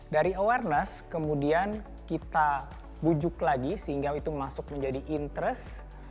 dari awareness kemudian kita bujuk lagi sehingga itu masuk menjadi interest